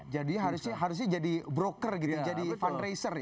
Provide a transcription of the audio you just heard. jadi harusnya jadi broker gitu jadi fundraiser ya